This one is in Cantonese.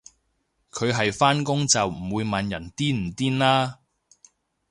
佢係返工就唔會問人癲唔癲啦